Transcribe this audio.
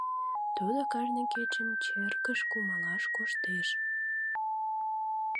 Тудо кажне кечын черкыш кумалаш коштеш.